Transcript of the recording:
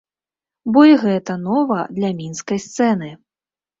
Бо і гэта нова для мінскай сцэны!